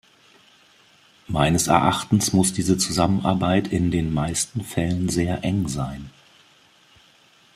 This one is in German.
Meines Erachtens muss diese Zusammenarbeit in den meisten Fällen sehr eng sein.